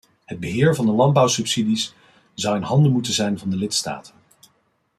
Het beheer van de landbouwsubsidies zou in handen moeten zijn van de lidstaten.